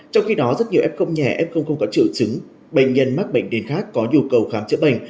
trong khi đó rất nhiều f nhẹ f không có trự trứng bệnh nhân mắc bệnh đền khác có nhu cầu khám chữa bệnh